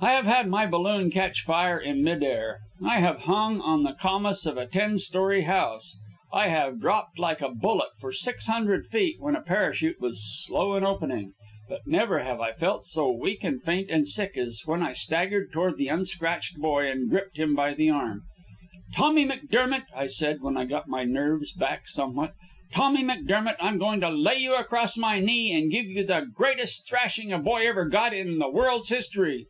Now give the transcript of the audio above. I have had my balloon catch fire in mid air, I have hung on the cornice of a ten story house, I have dropped like a bullet for six hundred feet when a parachute was slow in opening; but never have I felt so weak and faint and sick as when I staggered toward the unscratched boy and gripped him by the arm. "Tommy Dermott," I said, when I had got my nerves back somewhat. "Tommy Dermott, I'm going to lay you across my knee and give you the greatest thrashing a boy ever got in the world's history."